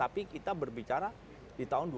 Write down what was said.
tapi kita berbicara di tahun dua ribu empat puluh